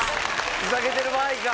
ふざけてる場合か！